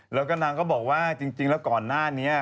แล้วก็นางก็บอกว่าจริงแล้วก่อนหน้านี้